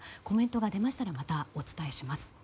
コメントが出ましたらまたお伝えします。